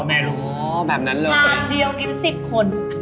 ชามเดียวกิน๑๐คน